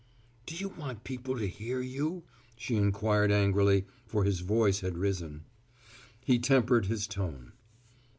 "Do you want people to hear you?" she inquired angrily, for his voice had risen. He tempered his tone.